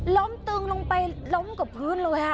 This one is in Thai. ล้มตึงลงไปล้มกับพื้นเลย